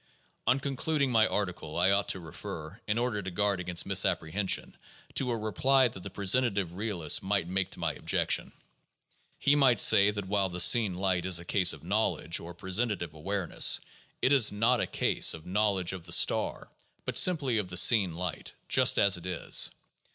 On concluding my article, I ought to refer, in order to guard against misapprehension, to a reply that the presentative realist might make to my objection. He might say that while the seen light is a case of knowledge or presentative awareness, it is not a case of knowledge of the star, but simply of the seen light, just as it is.